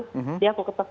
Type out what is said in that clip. jadi aku ketok